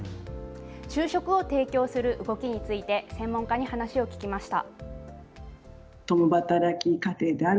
昼食を提供する動きについて専門家に話を聞きました。